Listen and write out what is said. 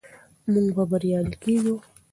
موږ به بریالي کیږو.